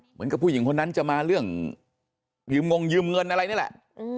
ผู้หญิงคนนั้นจะมาเรื่องยืมงยืมเงินอะไรนี่แหละ